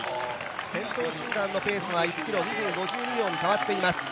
先頭集団のペースは１ｋｍ２分５２秒に変わっています。